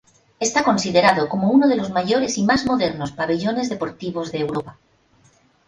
Está considerado como uno de los mayores y más modernos pabellones deportivos de Europa.